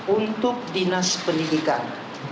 untuk dinas pendidikan